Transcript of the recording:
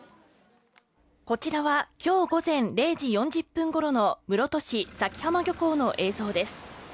こちらは今日午前０時４０分頃の室戸市佐喜浜漁港の映像です。